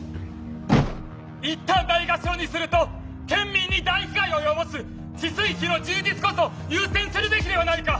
いったんないがしろにすると県民に大被害を及ぼす治水費の充実こそ優先するべきではないか！